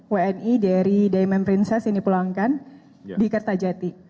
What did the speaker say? wni dari diamond princess ini pulangkan di kertajati